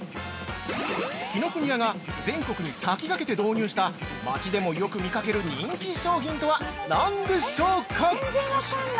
紀ノ国屋が全国に先駆けて導入した街でもよく見かける人気商品とはなんでしょうか？